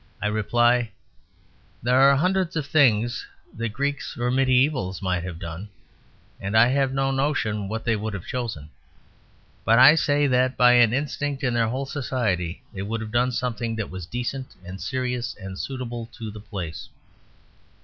I reply, "There are hundreds of things that Greeks or Mediævals might have done; and I have no notion what they would have chosen; but I say that by an instinct in their whole society they would have done something that was decent and serious and suitable to the place.